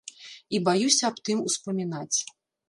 І баюся аб тым успамінаць.